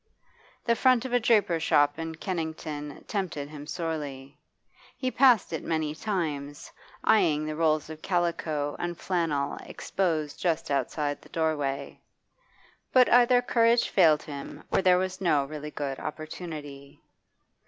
The front of a draper's shop in Kennington tempted him sorely; he passed it many times, eyeing the rolls of calico and flannel exposed just outside the doorway. But either courage failed him or there was no really good opportunity.